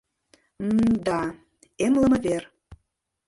М-мда, эмлыме вер.